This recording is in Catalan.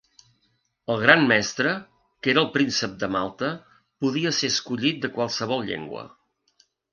El gran mestre, que era el príncep de Malta, podia ser escollit de qualsevol llengua.